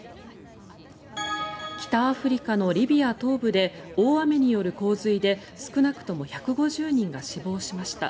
北アフリカのリビア東部で大雨による洪水で少なくとも１５０人が死亡しました。